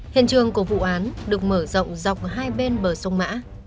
hiện trường của vụ án được mở rộng dọc hai bên bờ sông mã